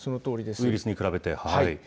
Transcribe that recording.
ウイルスに比べて。